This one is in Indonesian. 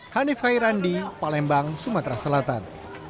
hanif hai randi palembang sumatera selatan